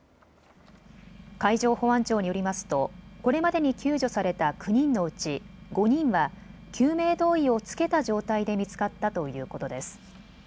海上保安庁によりますとこれまでに救助された９人のうち５人は救命胴衣を着けた状態で見つかったということです。